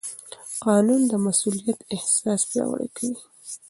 قانون د مسوولیت احساس پیاوړی کوي.